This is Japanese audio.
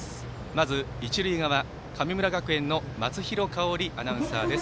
まず一塁側、神村学園の松廣香織アナウンサーです。